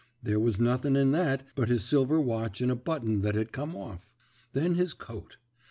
There was nothing in that but his silver watch and a button that had come off. Then his coat.